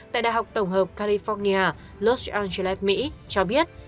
tại đại học tổng hợp california los angeles mỹ cho biết